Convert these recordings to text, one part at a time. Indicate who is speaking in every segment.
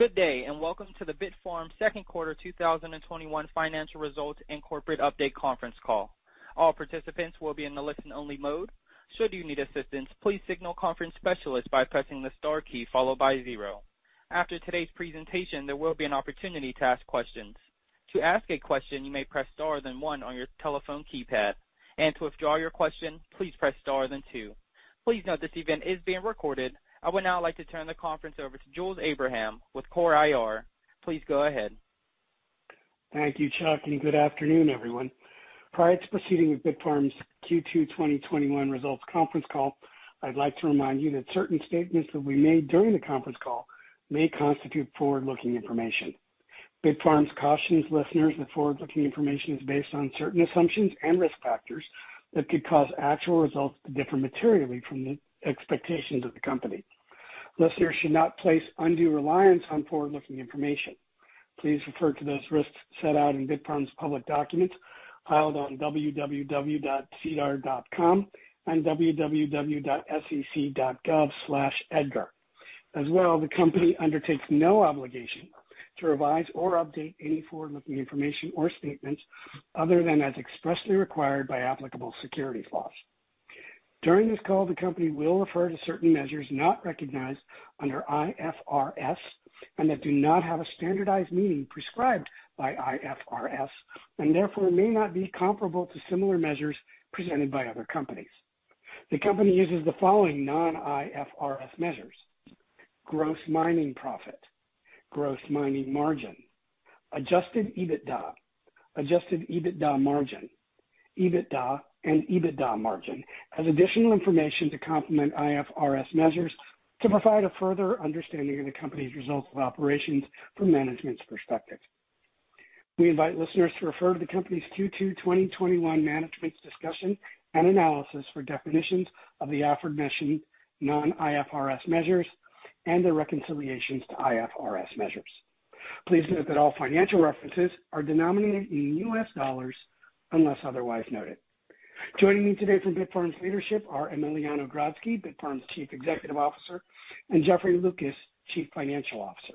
Speaker 1: Good day, welcome to the Bitfarms Second quarter 2021 financial results and corporate update conference call. All participants will be in the listen only mode. Should you need assistance, please signal conference specialist by pressing the star key followed by zero. After today's presentation, there will be an opportunity to ask questions. To ask a question, you may press star then one on your telephone keypad. To withdraw your question, please press star then two. Please note this event is being recorded. I would now like to turn the conference over to Jules Abraham with CORE IR. Please go ahead.
Speaker 2: Thank you, Chuck, and good afternoon, everyone. Prior to proceeding with Bitfarms's Q2 2021 results conference call, I'd like to remind you that certain statements that we made during the conference call may constitute forward-looking information. Bitfarms cautions listeners that forward-looking information is based on certain assumptions and risk factors that could cause actual results to differ materially from the expectations of the company. Listeners should not place undue reliance on forward-looking information. Please refer to those risks set out in Bitfarms's public documents filed on www.sedar.com and www.sec.gov/edgar. As well, the company undertakes no obligation to revise or update any forward-looking information or statements other than as expressly required by applicable security laws. During this call, the company will refer to certain measures not recognized under IFRS and that do not have a standardized meaning prescribed by IFRS, and therefore may not be comparable to similar measures presented by other companies. The company uses the following non-IFRS measures: gross mining profit, gross mining margin, adjusted EBITDA, adjusted EBITDA margin, EBITDA, and EBITDA margin as additional information to complement IFRS measures to provide a further understanding of the company's results of operations from management's perspective. We invite listeners to refer to the company's Q2 2021 management's discussion and analysis for definitions of the aforementioned non-IFRS measures and their reconciliations to IFRS measures. Please note that all financial references are denominated in U.S. Dollars unless otherwise noted. Joining me today from Bitfarms's leadership are Emiliano Grodzki, Bitfarms's Chief Executive Officer, and Jeffrey Lucas, Chief Financial Officer.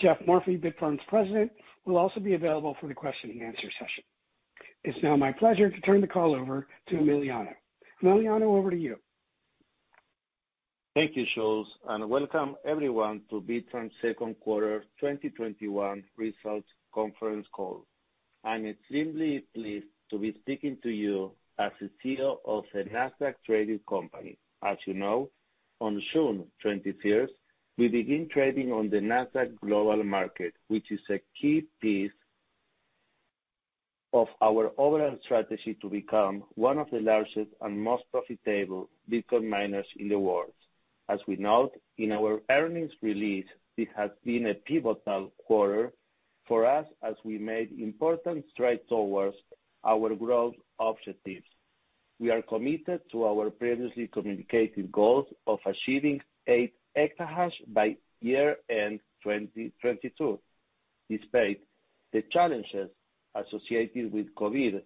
Speaker 2: Geoff Morphy, Bitfarms's President, will also be available for the question and answer session. It's now my pleasure to turn the call over to Emiliano. Emiliano, over to you.
Speaker 3: Thank you, Jules, and welcome everyone to Bitfarms's second quarter 2021 results conference call. I'm extremely pleased to be speaking to you as the CEO of a Nasdaq-traded company. As you know, on June 21st, we begin trading on the Nasdaq Global Market, which is a key piece of our overall strategy to become one of the largest and most profitable Bitcoin miners in the world. As we note in our earnings release, it has been a pivotal quarter for us as we made important strides towards our growth objectives. We are committed to our previously communicated goals of achieving 8 EH by year-end 2022. Despite the challenges associated with COVID,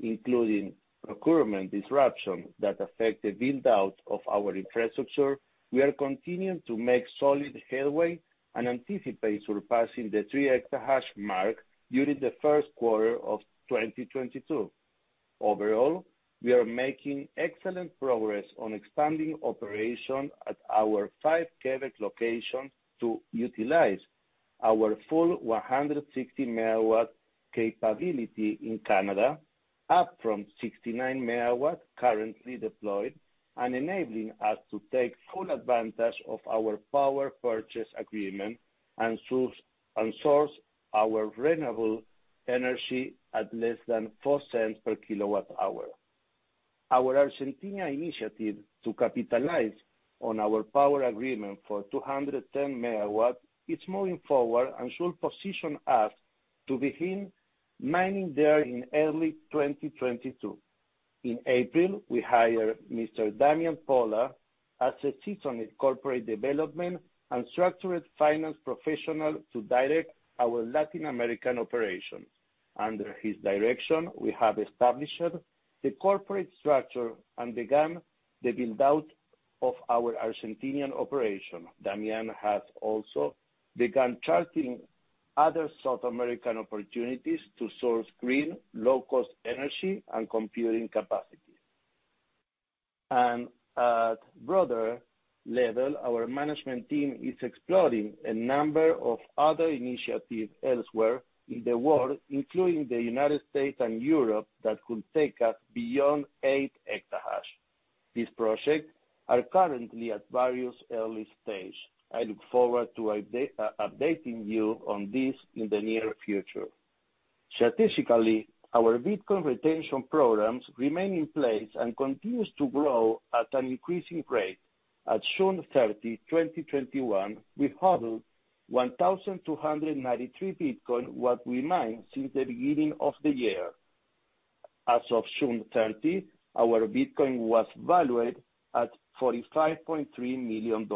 Speaker 3: including procurement disruption that affect the build-out of our infrastructure, we are continuing to make solid headway and anticipate surpassing the 3 EH mark during the first quarter of 2022. Overall, we are making excellent progress on expanding operation at our five Quebec locations to utilize our full 160 MW capability in Canada, up from 69 MW currently deployed, and enabling us to take full advantage of our power purchase agreement and source our renewable energy at less than $0.04 per kWh Our Argentina initiative to capitalize on our power agreement for 210 MW is moving forward and should position us to begin mining there in early 2022. In April, we hired Mr. Damian Pola as a seasoned corporate development and structured finance professional to direct our Latin American operations. Under his direction, we have established the corporate structure and began the build-out of our Argentinian operation. Damian has also begun charting other South American opportunities to source green, low-cost energy and computing capacity. At broader level, our management team is exploring a number of other initiatives elsewhere in the world, including the U.S. and Europe, that could take us beyond 8 EH. These projects are currently at various early stage. I look forward to updating you on this in the near future. Strategically, our Bitcoin retention programs remain in place and continue to grow at an increasing rate. At June 30, 2021, we've hodled 1,293 Bitcoin what we mined since the beginning of the year. As of June 30, our Bitcoin was valued at $45.3 million.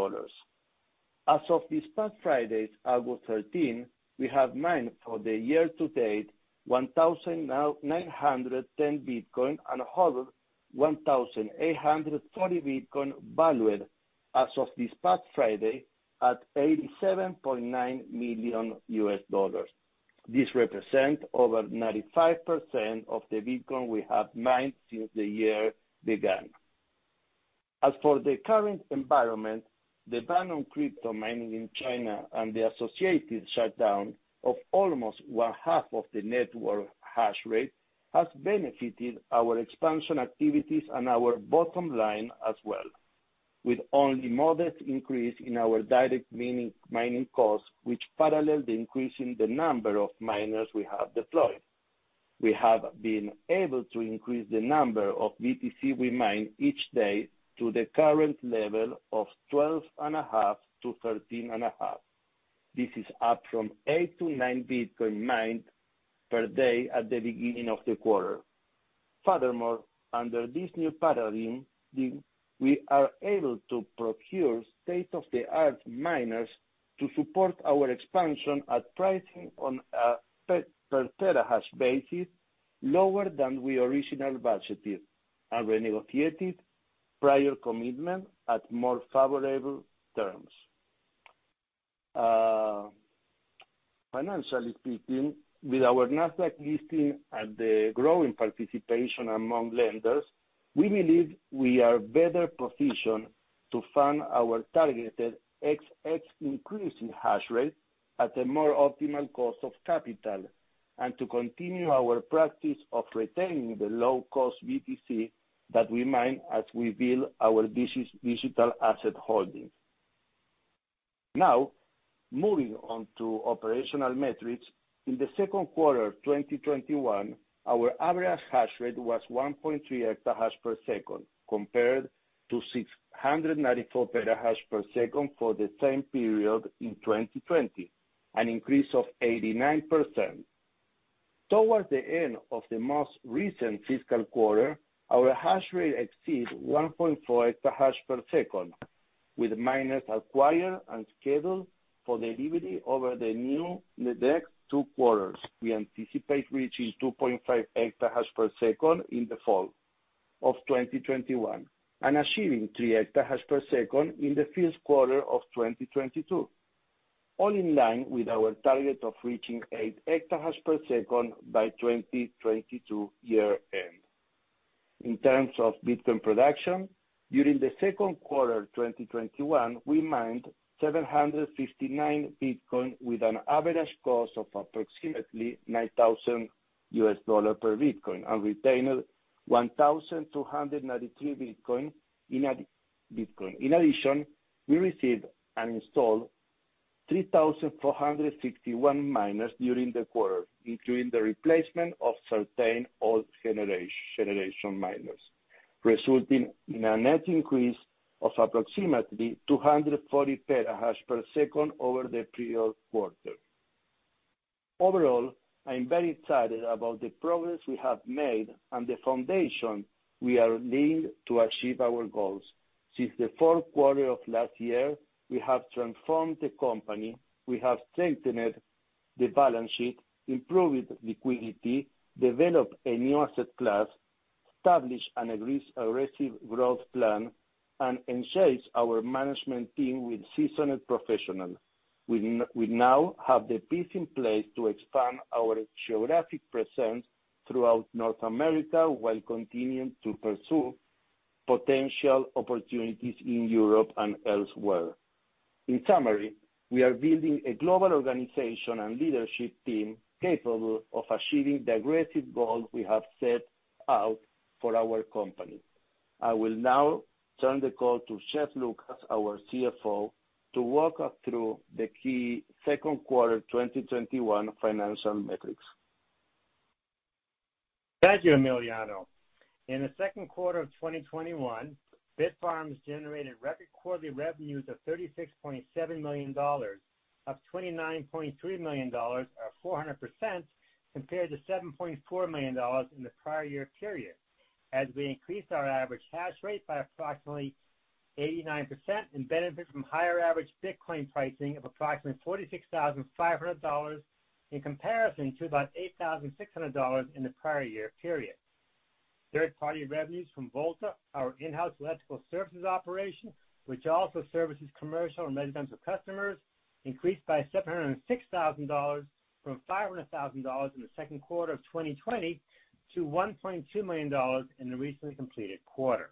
Speaker 3: As of this past Friday, August 13, we have mined for the year to date 1,910 Bitcoin and hodled 1,830 Bitcoin valued as of this past Friday at $87.9 million. This represent over 95% of the Bitcoin we have mined since the year began. As for the current environment, the ban on crypto mining in China and the associated shutdown of almost one half of the network hash rate has benefited our expansion activities and our bottom line as well. With only modest increase in our direct mining cost, which paralleled the increase in the number of miners we have deployed. We have been able to increase the number of BTC we mine each day to the current level of 12.5-13.5. This is up from 8-9 Bitcoin mined per day at the beginning of the quarter. Furthermore, under this new paradigm, we are able to procure state-of-the-art miners to support our expansion at pricing on a per terahash basis, lower than we originally budgeted, and renegotiated prior commitment at more favorable terms. Financially speaking, with our Nasdaq listing and the growing participation among lenders, we believe we are better positioned to fund our targeted XX increase in hash rate at a more optimal cost of capital, and to continue our practice of retaining the low-cost BTC that we mine as we build our digital asset holdings. Moving on to operational metrics. In the second quarter of 2021, our average hash rate was 1.3 EH/s, compared to 694 PH/s for the same period in 2020, an increase of 89%. Towards the end of the most recent fiscal quarter, our hash rate exceeds 1.4 EH/s, with miners acquired and scheduled for delivery over the new next two quarters. We anticipate reaching 2.5 EH/s in the fall of 2021, and achieving 3 EH/s in the first quarter of 2022, all in line with our target of reaching 8 EH/s by 2022 year end. In terms of Bitcoin production, during the second quarter 2021, we mined 759 Bitcoin with an average cost of approximately $9,000 per Bitcoin, and retained 1,293 Bitcoin. In addition, we received and installed 3,461 miners during the quarter, including the replacement of certain old generation miners, resulting in a net increase of approximately 240 PH/s over the prior quarter. Overall, I'm very excited about the progress we have made and the foundation we are laying to achieve our goals. Since the fourth quarter of last year, we have transformed the company. We have strengthened the balance sheet, improved liquidity, developed a new asset class, established an aggressive growth plan, and enhanced our management team with seasoned professionals. We now have the pieces in place to expand our geographic presence throughout North America while continuing to pursue potential opportunities in Europe and elsewhere. In summary, we are building a global organization and leadership team capable of achieving the aggressive goals we have set out for our company. I will now turn the call to Jeffrey Lucas, our CFO, to walk us through the key second quarter 2021 financial metrics.
Speaker 4: Thank you, Emiliano. In the second quarter of 2021, Bitfarms's generated record quarterly revenues of $36.7 million, up $29.3 million or 400%, compared to $7.4 million in the prior year period, as we increased our average hash rate by approximately 89% and benefit from higher average Bitcoin pricing of approximately $46,500 in comparison to about $8,600 in the prior year period. Third-party revenues from Volta, our in-house electrical services operation, which also services commercial and residential customers, increased by $706,000 from $500,000 in the second quarter of 2020 to $1.2 million in the recently completed quarter.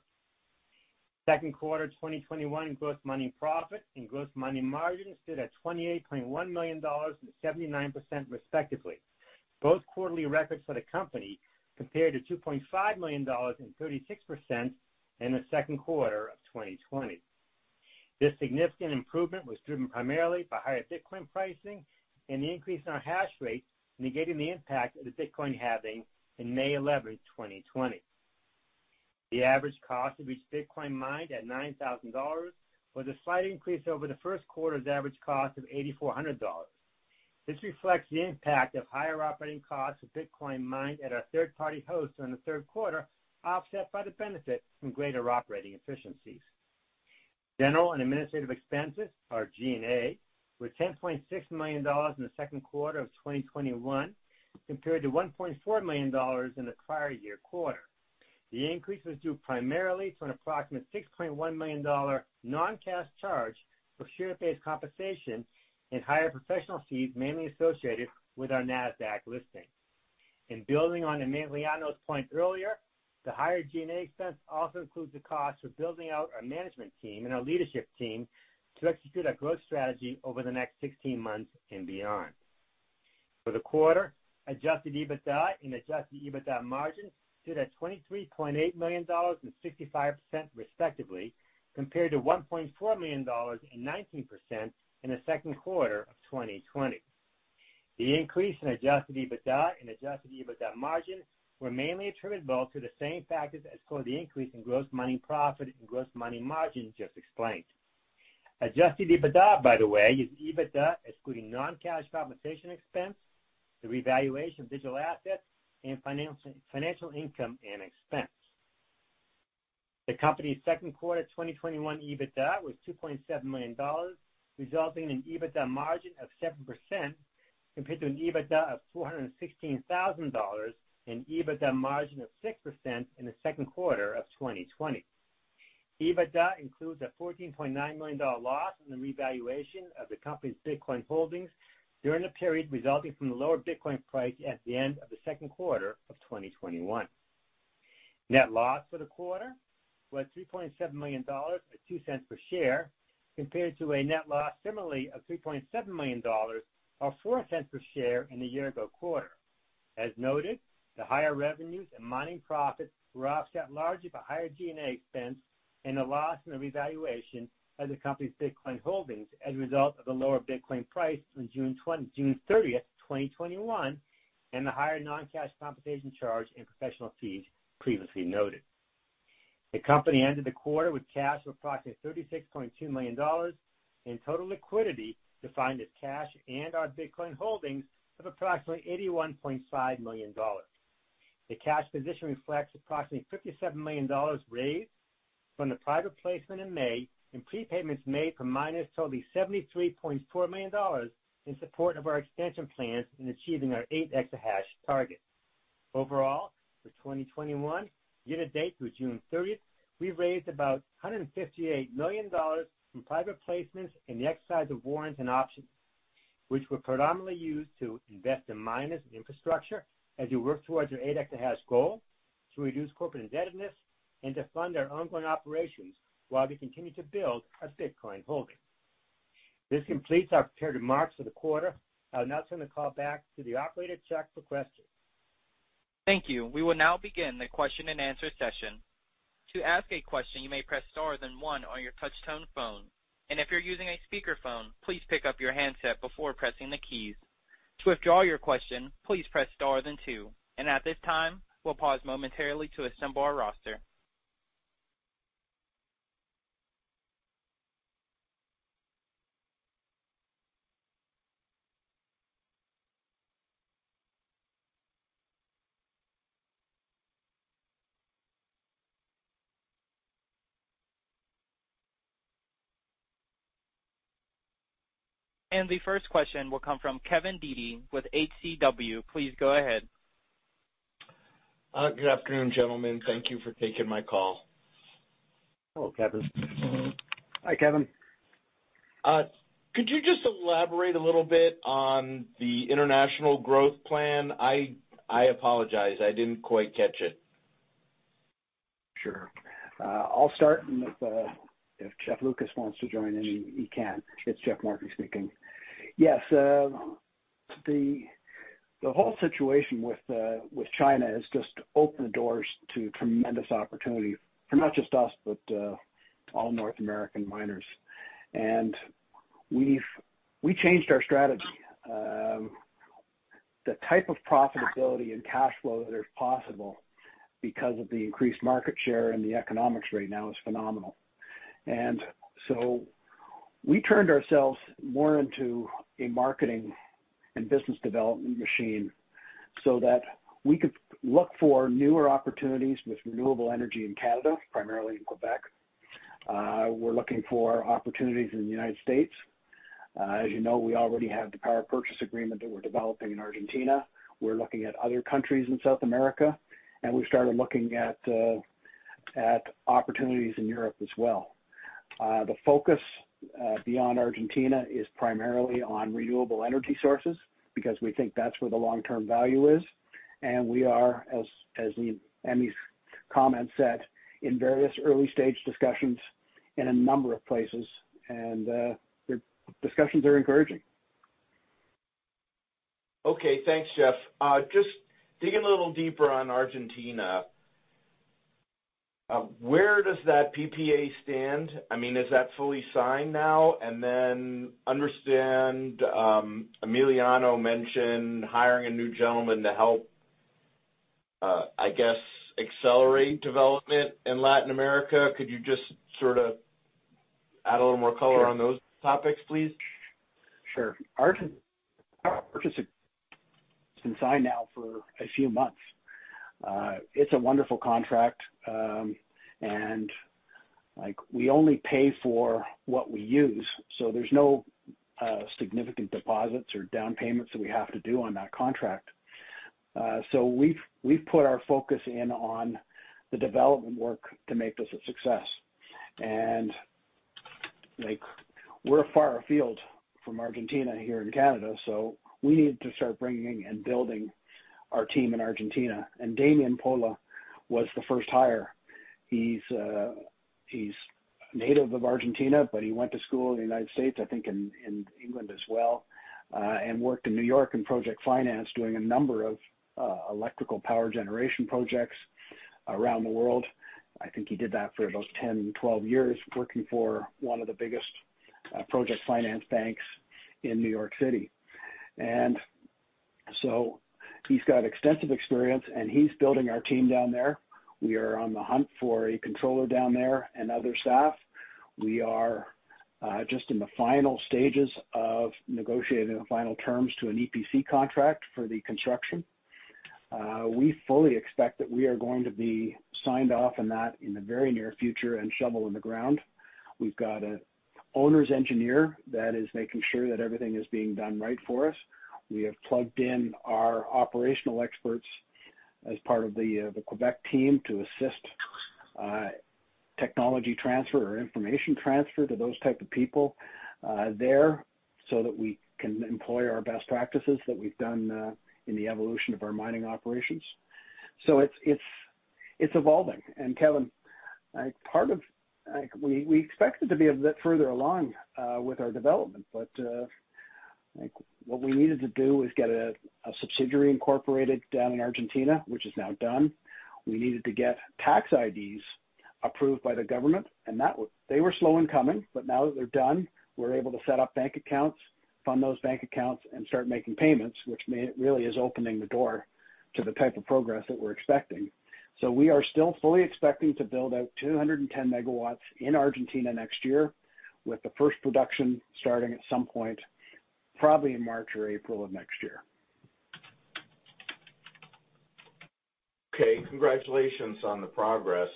Speaker 4: Second quarter 2021 gross mining profit and gross mining margin stood at $28.1 million and 79%, respectively, both quarterly records for the company, compared to $2.5 million and 36% in the second quarter of 2020. This significant improvement was driven primarily by higher Bitcoin pricing and the increase in our hash rate negating the impact of the Bitcoin halving in May 11, 2020. The average cost of each Bitcoin mined at $9,000 was a slight increase over the first quarter's average cost of $8,400. This reflects the impact of higher operating costs of Bitcoin mined at our third-party hosts in the third quarter, offset by the benefit from greater operating efficiencies. General and administrative expenses, our G&A, were $10.6 million in the second quarter of 2021, compared to $1.4 million in the prior year quarter. The increase was due primarily to an approximate $6.1 million non-cash charge for share-based compensation and higher professional fees, mainly associated with our NASDAQ listing. In building on Emiliano Grodzki's point earlier, the higher G&A expense also includes the cost of building out our management team and our leadership team to execute our growth strategy over the next 16 months and beyond. For the quarter, adjusted EBITDA and adjusted EBITDA margin stood at $23.8 million and 65%, respectively, compared to $1.4 million and 19% in the second quarter of 2020. The increase in adjusted EBITDA and adjusted EBITDA margins were mainly attributable to the same factors as for the increase in gross mining profit and gross mining margin just explained. Adjusted EBITDA, by the way, is EBITDA excluding non-cash compensation expense, the revaluation of digital assets, and financial income and expense. The company's second quarter 2021 EBITDA was $2.7 million, resulting in an EBITDA margin of 7%, compared to an EBITDA of $416,000 and EBITDA margin of 6% in the second quarter of 2020. EBITDA includes a $14.9 million loss in the revaluation of the company's Bitcoin holdings during the period resulting from the lower Bitcoin price at the end of the second quarter of 2021. Net loss for the quarter was $3.7 million, or $0.02 per share, compared to a net loss similarly of $3.7 million, or $0.04 per share in the year-ago quarter. As noted, the higher revenues and mining profits were offset largely by higher G&A expense and a loss in the revaluation of the company's Bitcoin holdings as a result of the lower Bitcoin price on June 30th, 2021, and the higher non-cash compensation charge and professional fees previously noted. The company ended the quarter with cash of approximately $36.2 million and total liquidity defined as cash and our Bitcoin holdings of approximately $81.5 million. The cash position reflects approximately $57 million raised from the private placement in May and prepayments made from miners totaling $73.4 million in support of our expansion plans in achieving our 8 EH target. Overall, for 2021, year to date through June 30th, we've raised about $158 million from private placements and the exercise of warrants and options, which were predominantly used to invest in miners and infrastructure as we work towards our 8 EH goal, to reduce corporate indebtedness, and to fund our ongoing operations while we continue to build our Bitcoin holdings. This completes our prepared remarks for the quarter. I'll now turn the call back to the operator to check for questions.
Speaker 1: Thank you. We will now begin the question-and-answer session. To ask a question, you may press star then one on your touch tone phone. If you're using a speakerphone, please pick up your handset before pressing the keys. To withdraw your question, please press star then two. At this time, we'll pause momentarily to assemble our roster. The first question will come from Kevin Dede with H.C.W. Please go ahead.
Speaker 5: Good afternoon, gentlemen. Thank you for taking my call.
Speaker 4: Hello, Kevin.
Speaker 6: Hi, Kevin.
Speaker 5: Could you just elaborate a little bit on the international growth plan? I apologize, I didn't quite catch it.
Speaker 6: Sure. If Jeffrey Lucas wants to join in, he can. It's Geoff Morphy speaking. Yes. The whole situation with China has just opened the doors to tremendous opportunity for not just us, but all North American miners. We changed our strategy. The type of profitability and cash flow that is possible because of the increased market share and the economics right now is phenomenal. We turned ourselves more into a marketing and business development machine so that we could look for newer opportunities with renewable energy in Canada, primarily in Quebec. We're looking for opportunities in the United States. As you know, we already have the power purchase agreement that we're developing in Argentina. We're looking at other countries in South America, and we've started looking at opportunities in Europe as well. The focus beyond Argentina is primarily on renewable energy sources because we think that's where the long-term value is, and we are, as Emmy's comment said, in various early-stage discussions in a number of places, and the discussions are encouraging.
Speaker 5: Okay. Thanks, Goeff. Just digging a little deeper on Argentina, where does that PPA stand? Is that fully signed now? Understand Emiliano mentioned hiring a new gentleman to help, I guess, accelerate development in Latin America. Could you just sort of add a little more color on those topics, please?
Speaker 6: Sure. It's been signed now for a few months. It's a wonderful contract. We only pay for what we use, so there's no significant deposits or down payments that we have to do on that contract. We've put our focus in on the development work to make this a success. We're far afield from Argentina here in Canada, so we need to start bringing and building our team in Argentina. Damian Pola was the first hire. He's a native of Argentina, but he went to school in the United States, I think in England as well, and worked in New York in project finance, doing a number of electrical power generation projects around the world. I think he did that for about 10, 12 years, working for one of the biggest project finance banks in New York City. He's got extensive experience, and he's building our team down there. We are on the hunt for a controller down there and other staff. We are just in the final stages of negotiating the final terms to an EPC contract for the construction. We fully expect that we are going to be signed off on that in the very near future and shovel in the ground. We've got an owner's engineer that is making sure that everything is being done right for us. We have plugged in our operational experts as part of the Quebec team to assist technology transfer or information transfer to those type of people there so that we can employ our best practices that we've done in the evolution of our mining operations. It's evolving. Kevin, we expected to be a bit further along with our development, but what we needed to do is get a subsidiary incorporated down in Argentina, which is now done. We needed to get tax IDs approved by the government, and they were slow in coming. Now that they're done, we're able to set up bank accounts, fund those bank accounts, and start making payments, which really is opening the door to the type of progress that we're expecting. We are still fully expecting to build out 210 MW in Argentina next year, with the first production starting at some point, probably in March or April of next year.
Speaker 5: Okay. Congratulations on the progress.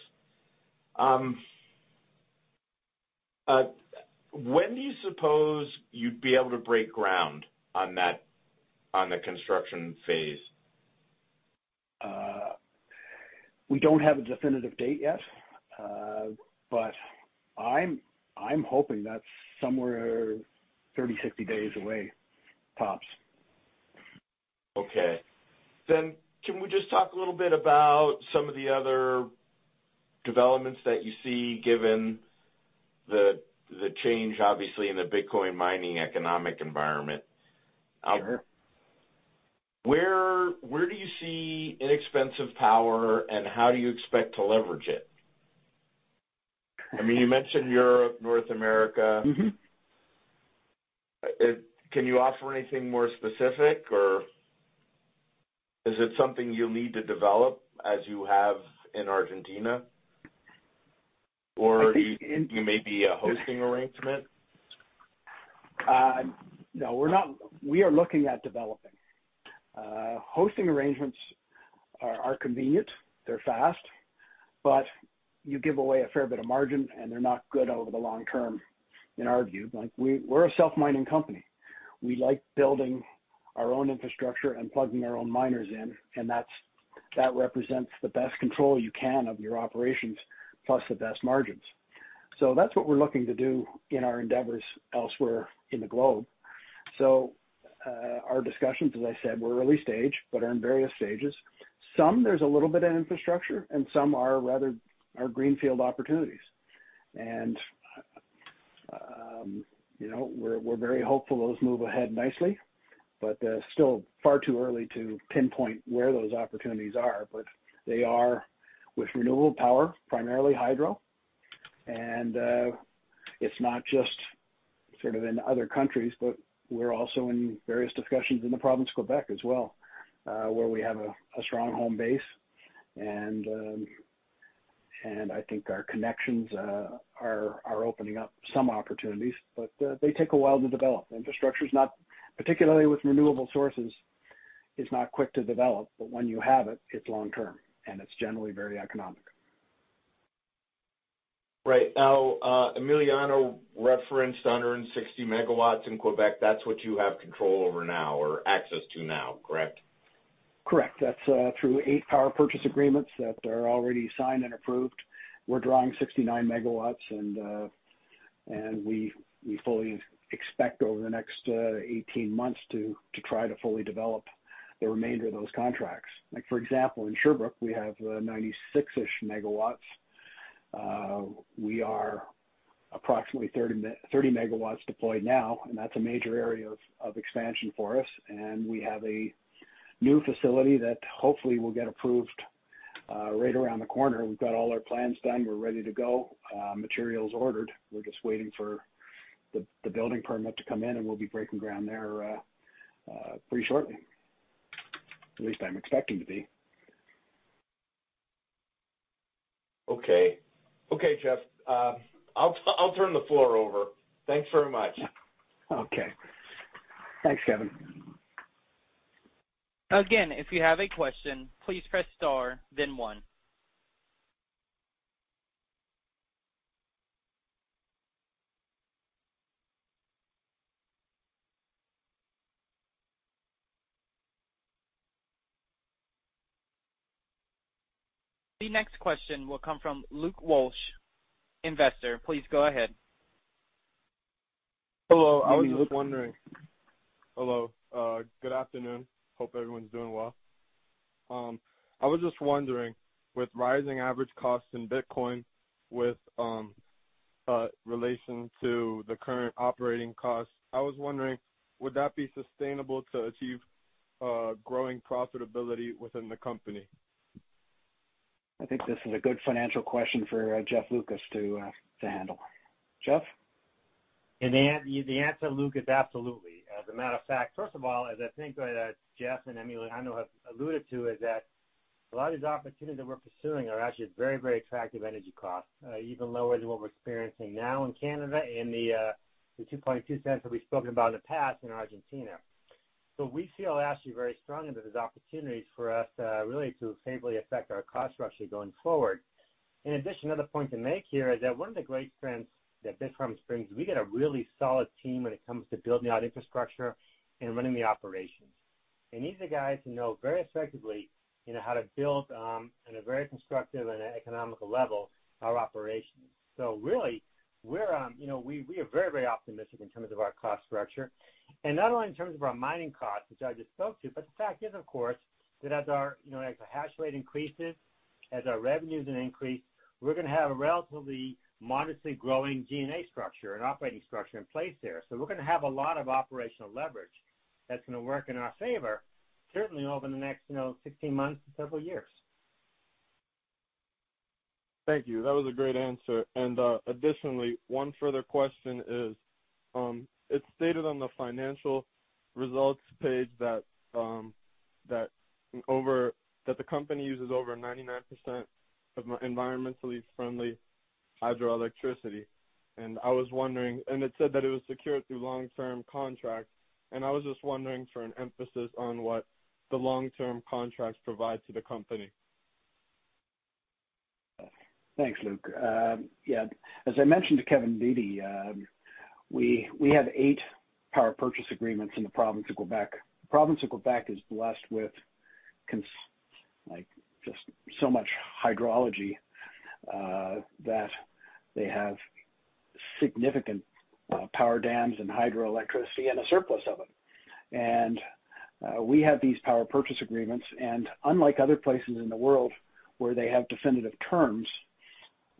Speaker 5: When do you suppose you'd be able to break ground on the construction phase?
Speaker 6: We don't have a definitive date yet. I'm hoping that's somewhere 30, 60 days away, tops.
Speaker 5: Okay. Can we just talk a little bit about some of the other developments that you see given the change, obviously, in the Bitcoin mining economic environment?
Speaker 6: Sure.
Speaker 5: Where do you see inexpensive power, and how do you expect to leverage it? You mentioned Europe, North America. Can you offer anything more specific, or is it something you'll need to develop as you have in Argentina? You may be a hosting arrangement?
Speaker 6: No, we are looking at developing. Hosting arrangements are convenient, they're fast, but you give away a fair bit of margin, and they're not good over the long term, in our view. We're a self-mining company. We like building our own infrastructure and plugging our own miners in, and that represents the best control you can of your operations, plus the best margins. That's what we're looking to do in our endeavors elsewhere in the globe. Our discussions, as I said, we're early stage, but are in various stages. Some, there's a little bit of infrastructure, and some are rather are greenfield opportunities. We're very hopeful those move ahead nicely. Still far too early to pinpoint where those opportunities are. They are with renewable power, primarily hydro. It's not just sort of in other countries, but we're also in various discussions in the province of Quebec as well, where we have a strong home base. I think our connections are opening up some opportunities. They take a while to develop. Infrastructure is not, particularly with renewable sources, is not quick to develop, but when you have it's long-term, and it's generally very economic.
Speaker 5: Right. Now, Emiliano referenced 160 MW in Quebec. That's what you have control over now or access to now, correct?
Speaker 6: Correct. That's through eight power purchase agreements that are already signed and approved. We're drawing 69 MW, and we fully expect over the next 18 months to try to fully develop the remainder of those contracts. Like for example, in Sherbrooke, we have 96-ish MW. We are approximately 30 MW deployed now, and that's a major area of expansion for us. We have a new facility that hopefully will get approved right around the corner. We've got all our plans done. We're ready to go. Materials ordered. We're just waiting for the building permit to come in, and we'll be breaking ground there pretty shortly. At least I'm expecting to be.
Speaker 5: Okay. Geoff, I'll turn the floor over. Thanks very much.
Speaker 6: Okay. Thanks, Kevin.
Speaker 1: Again, if you have a question, please press star, then one. The next question will come from Luke Walsh, investor. Please go ahead.
Speaker 7: Hello.
Speaker 6: Hey, Luke.
Speaker 7: I was just wondering. Hello. Good afternoon. Hope everyone's doing well. I was just wondering, with rising average costs in Bitcoin with relation to the current operating costs, would that be sustainable to achieve growing profitability within the company?
Speaker 6: I think this is a good financial question for Jeff Lucas to handle. Jeff?
Speaker 4: The answer, Luke, is absolutely. As a matter of fact, first of all, as I think that Geoff and Emiliano have alluded to, is that a lot of these opportunities that we're pursuing are actually at very attractive energy costs, even lower than what we're experiencing now in Canada, and the $0.022 that we've spoken about in the past in Argentina. We feel actually very strongly that there's opportunities for us really to favorably affect our cost structure going forward. In addition, another point to make here is that one of the great strengths that Bitfarms brings is we get a really solid team when it comes to building out infrastructure and running the operations. These are the guys who know very effectively how to build, in a very constructive and economical level, our operations. Really, we are very optimistic in terms of our cost structure, and not only in terms of our mining costs, which I just spoke to, but the fact is, of course, that as our hash rate increases, as our revenues increase, we're going to have a relatively modestly growing G&A structure and operating structure in place there. We're going to have a lot of operational leverage that's going to work in our favor, certainly over the next 16 months to several years.
Speaker 7: Thank you. That was a great answer. Additionally, one further question is, it's stated on the financial results page that the company uses over 99% of environmentally friendly hydroelectricity. It said that it was secured through long-term contracts. I was just wondering for an emphasis on what the long-term contracts provide to the company.
Speaker 6: Thanks, Luke. Yeah, as I mentioned to Kevin Dede, we have eight power purchase agreements in the province of Quebec. The province of Quebec is blessed with just so much hydrology that they have significant power dams and hydroelectricity and a surplus of them. We have these power purchase agreements, unlike other places in the world where they have definitive terms,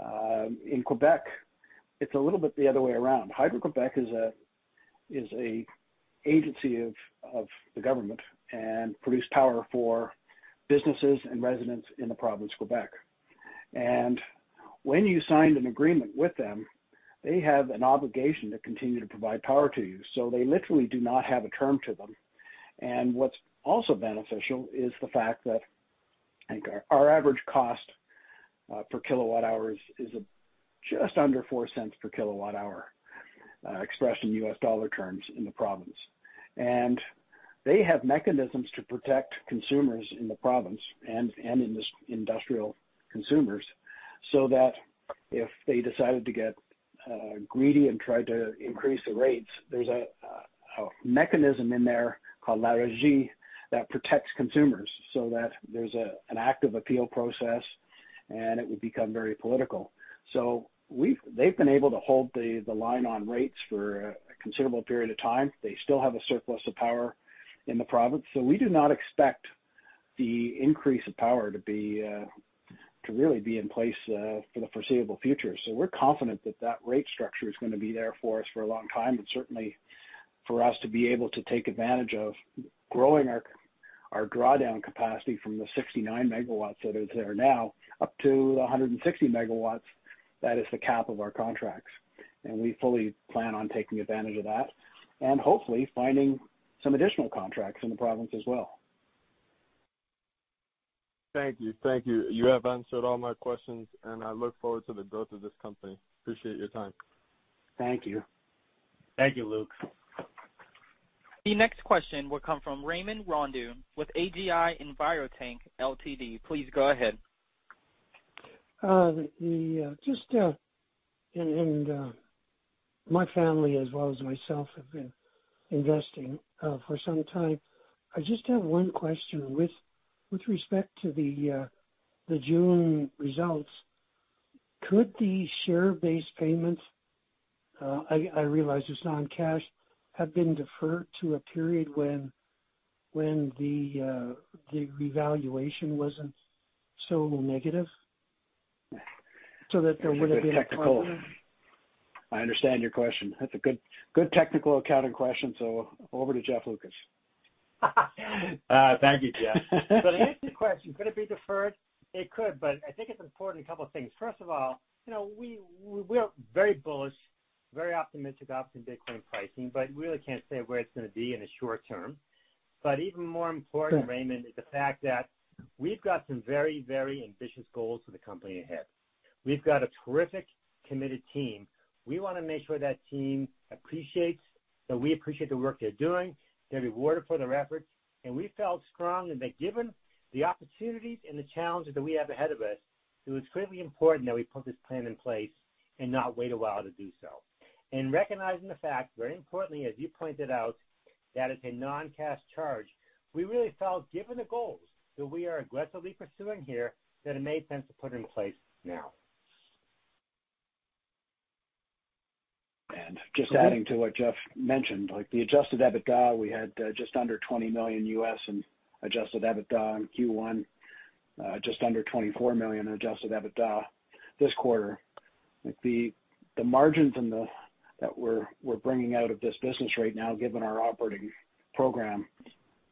Speaker 6: in Quebec, it's a little bit the other way around. Hydro-Québec is an agency of the government and produce power for businesses and residents in the province of Quebec. When you signed an agreement with them, they have an obligation to continue to provide power to you. They literally do not have a term to them. What's also beneficial is the fact that our average cost per kWh is just under $0.04 per kWh, expressed in U.S. dollar terms in the province. They have mechanisms to protect consumers in the province and industrial consumers, so that if they decided to get greedy and tried to increase the rates, there's a mechanism in there called La Régie that protects consumers so that there's an active appeal process, and it would become very political. They've been able to hold the line on rates for a considerable period of time. They still have a surplus of power in the province, we do not expect the increase of power to really be in place for the foreseeable future. We're confident that that rate structure is going to be there for us for a long time, and certainly for us to be able to take advantage of growing our drawdown capacity from the 69 MW that is there now up to the 160 MW. That is the cap of our contracts, and we fully plan on taking advantage of that and hopefully finding some additional contracts in the province as well.
Speaker 7: Thank you. You have answered all my questions, and I look forward to the growth of this company. Appreciate your time.
Speaker 6: Thank you.
Speaker 4: Thank you, Luke.
Speaker 1: The next question will come from Raymond Rondeau with AGI Envirotank Ltd. Please go ahead.
Speaker 8: My family as well as myself have been investing for some time. I just have one question with respect to the June results. Could the share-based payments, I realize it's non-cash, have been deferred to a period when the revaluation wasn't so negative so that there would have been a problem?
Speaker 6: I understand your question. That's a good technical accounting question. Over to Jeff Lucas.
Speaker 4: Thank you, Geoff. To answer your question, could it be deferred? It could, but I think it's important, a couple of things. First of all, we're very bullish, very optimistic about the Bitcoin pricing, but we really can't say where it's going to be in the short term. Even more important, Raymond, is the fact that we've got some very ambitious goals for the company ahead. We've got a terrific, committed team. We want to make sure that team appreciates, that we appreciate the work they're doing, they're rewarded for their efforts. We felt strong that given the opportunities and the challenges that we have ahead of us, it was critically important that we put this plan in place and not wait a while to do so. Recognizing the fact, very importantly, as you pointed out, that it's a non-cash charge, we really felt, given the goals that we are aggressively pursuing here, that it made sense to put in place now.
Speaker 6: Just adding to what Jeff mentioned, the adjusted EBITDA, we had just under $20 million in adjusted EBITDA in Q1. Just under $24 million adjusted EBITDA this quarter. The margins that we're bringing out of this business right now, given our operating program,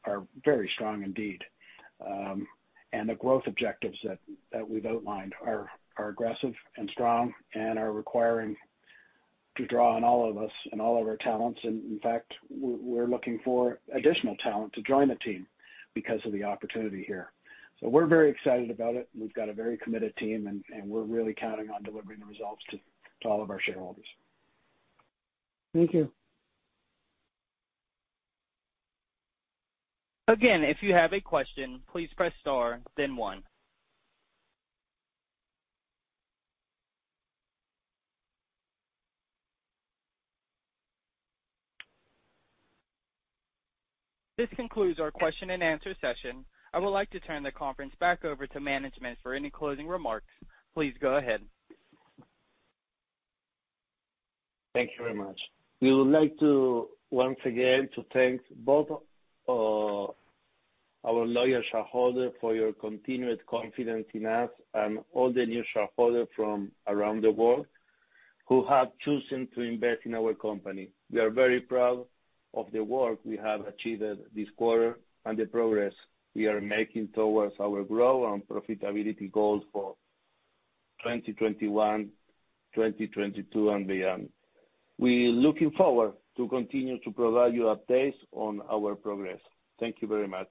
Speaker 6: are very strong indeed. The growth objectives that we've outlined are aggressive and strong and are requiring to draw on all of us and all of our talents. In fact, we're looking for additional talent to join the team because of the opportunity here. We're very excited about it. We've got a very committed team, and we're really counting on delivering the results to all of our shareholders.
Speaker 8: Thank you.
Speaker 1: Again, if you have a question, please press star then one. This concludes our question-and-answer session. I would like to turn the conference back over to management for any closing remarks. Please go ahead.
Speaker 6: Thank you very much.
Speaker 3: We would like to, once again, to thank both our loyal shareholders for your continued confidence in us and all the new shareholders from around the world who have chosen to invest in our company. We are very proud of the work we have achieved this quarter and the progress we are making towards our growth and profitability goals for 2021, 2022, and beyond. We are looking forward to continue to provide you updates on our progress. Thank you very much.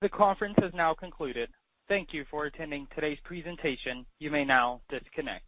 Speaker 1: The conference has now concluded. Thank you for attending today's presentation. You may now disconnect.